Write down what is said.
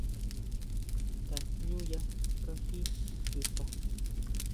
Tajñuña kají chuta.